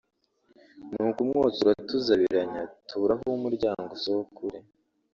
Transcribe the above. ni uko umwotsi uratuzabiranya tubura aho umuryango usohoka uri